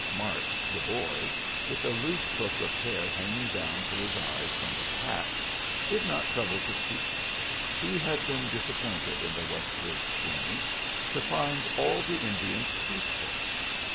Mart, the boy, with a loose hook of hair hanging down to his eyes from his hat, did not trouble to speak. He had been disappointed in the westward journey to find all the Indians peaceful.